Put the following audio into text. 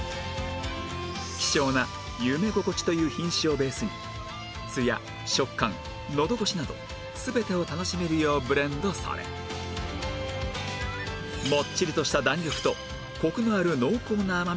希少な夢ごこちという品種をベースにつや食感のど越しなど全てを楽しめるようブレンドされもっちりとした弾力とコクのある濃厚な甘みが広がる